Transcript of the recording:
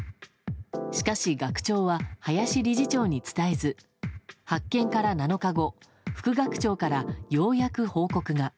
しかし、学長は林理事長に伝えず発見から７日後副学長から、ようやく報告が。